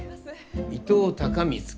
伊藤孝光君。